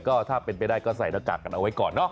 ก็ถ้าเป็นไปได้ก็ใส่หน้ากากกันเอาไว้ก่อนเนาะ